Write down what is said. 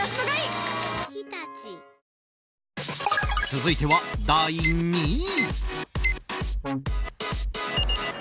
続いては、第２位。